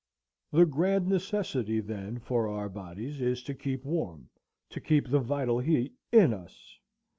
The grand necessity, then, for our bodies, is to keep warm, to keep the vital heat in us.